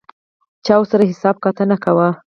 چا ورسره حساب کتاب نه کاوه.